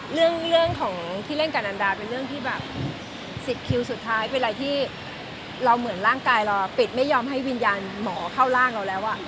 เรื่องของที่เล่นกับนันดาเป็นเรื่องที่แบบ๑๐คิวสุดท้ายเป็นอะไรที่เราเหมือนร่างกายเราปิดไม่ยอมให้วิญญาณหมอเข้าร่างเราแล้ว